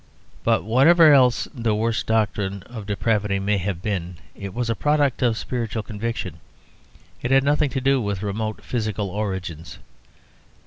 But whatever else the worst doctrine of depravity may have been, it was a product of spiritual conviction; it had nothing to do with remote physical origins.